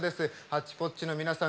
ハッチポッチの皆さん